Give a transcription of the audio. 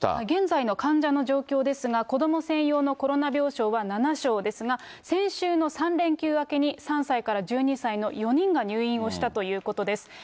現在の患者の状況ですが、子ども専用のコロナ病床は７床ですが、先週の３連休明けに、３歳から１２歳の４人が入院をしたということです。